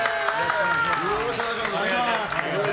よろしくお願いします。